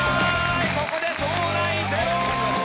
ここで東大ゼロ！